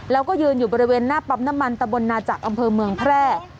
แล้วก็ยืนอยู่บริเวณหน้าปั๊มน้ำมันตะบนนาจักรอำเภอเมืองแพร่